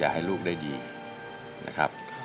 ให้ลูกได้ดีนะครับ